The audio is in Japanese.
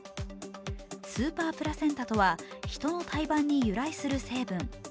スーパープラセンタとはヒトの胎盤に由来する成分。